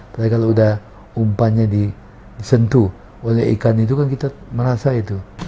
tapi kalau udah umpannya disentuh oleh ikan itu kan kita merasa itu